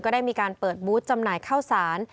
ได้มีการเปิดบูธจำหน่ายข้าวสาร